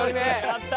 やった！